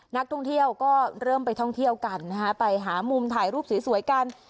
นักท่องเที่ยวก็เริ่มไปท่องเที่ยวกันนะฮะไปหามุมถ่ายรูปสวยกัน